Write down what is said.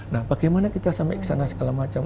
nah bagaimana kita sampai ke sana segala macam